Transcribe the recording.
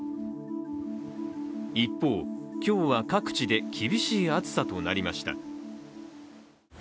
一方、今日は各地で厳しい暑さとなりました。